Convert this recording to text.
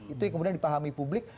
itu yang kemudian dipahami publik